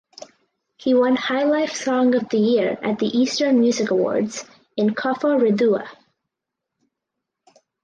He won Highlife Song of the Year at the Eastern Music Awards in Koforidua.